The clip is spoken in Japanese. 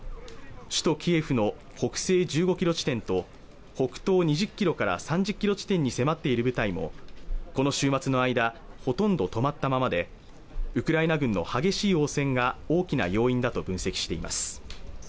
首都キエフの北西１５キロ地点と北東２０キロから３０キロ地点に迫っている部隊もこの週末の間ほとんど止まったままでウクライナ軍の激しい応戦が大きな要因だと分析しています